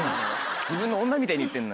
自分の女みたいに言ってんな。